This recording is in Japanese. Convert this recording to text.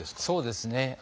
そうですね。